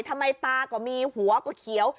ทำไมตาก็มีหวก็เขียว